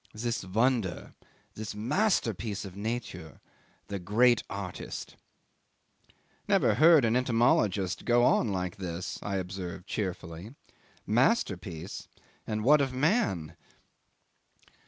This wonder; this masterpiece of Nature the great artist." '"Never heard an entomologist go on like this," I observed cheerfully. "Masterpiece! And what of man?"